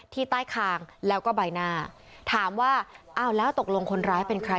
ที่ใต้คางแล้วก็ใบหน้าถามว่าอ้าวแล้วตกลงคนร้ายเป็นใคร